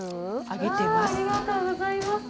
揚げてます。